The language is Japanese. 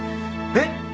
えっ？